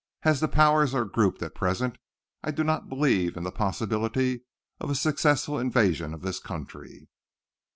As the Powers are grouped at present, I do not believe in the possibility of a successful invasion of this country."